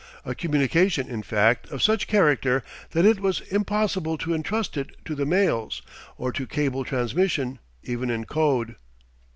"A communication, in fact, of such character that it was impossible to entrust it to the mails or to cable transmission, even in code."